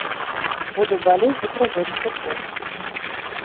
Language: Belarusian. Буду балець за прыгожы футбол.